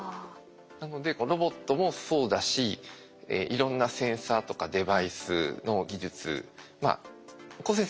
なのでロボットもそうだしいろんなセンサーとかデバイスの技術。